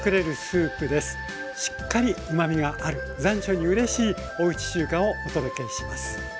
しっかりうまみがある残暑にうれしいおうち中華をお届けします。